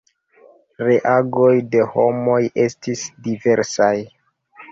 Reagoj de homoj estis diversaj.